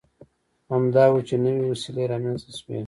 همدا و چې نوې وسیلې رامنځته شوې.